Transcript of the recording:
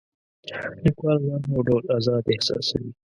لیکوال ځان یو ډول آزاد احساسوي.